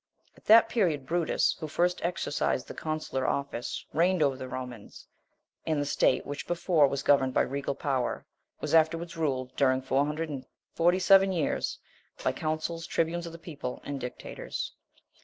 * At that period, Brutus, who first exercised the consular office, reigned over the Romans; and the state, which before was governed by regal power, was afterwards ruled, during four hundred and forty seven years, by consuls, tribunes of the people, and dictators.